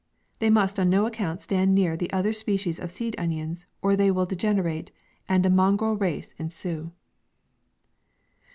They must on no account stand near the other species of seed onions, or they will degenerate, and a mongrel race ensue.